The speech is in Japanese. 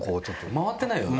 回ってないよね？